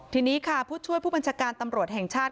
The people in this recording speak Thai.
ทีนี้ค่ะผู้ช่วยผู้บัญชาการตำรวจแห่งชาติ